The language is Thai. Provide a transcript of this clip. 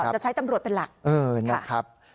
จะใช้ตำรวจเป็นหลัก